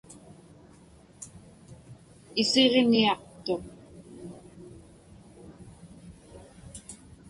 Isiġniaqtuq.